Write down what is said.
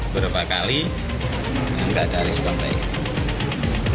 berapa kali tidak ada alis pembaik